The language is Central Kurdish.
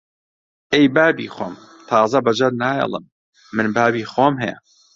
ئەی بابی خۆم! تازە بەجێت نایەڵم! من بابی خۆم هەیە!